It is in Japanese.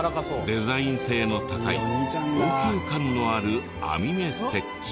デザイン性の高い高級感のある編み目ステッチ。